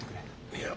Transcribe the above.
いや。